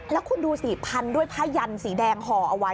แล้วคุณดูสิพันด้วยผ้ายันสีแดงห่อเอาไว้